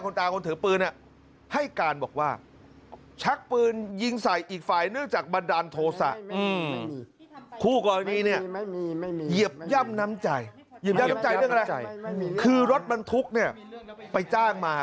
คู่ก่อนนี้เนี่ยเย็บย่ำน้ำใจเรื่องอะไรคือรถบรรทุกเนี่ยไปจ้างมา